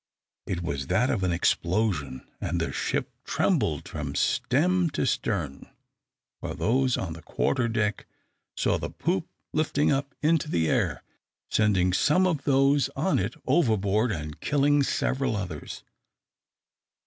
It was that of an explosion. And the ship trembled from stem to stern, while those on the quarter deck saw the poop lifting up into the air, sending some of those on it overboard, and killing several others.